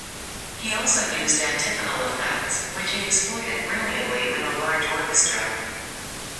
He also used antiphonal effects, which he exploited brilliantly with a large orchestra.